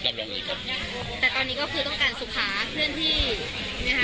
แต่ตอนนี้ก็คือต้องการสุขาเพื่อนที่